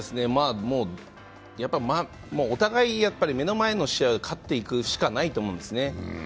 やっぱお互い、目の前の試合に勝っていくしかないですね。